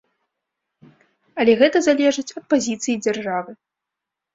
Але гэта залежыць ад пазіцыі дзяржавы.